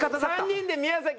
３人で宮崎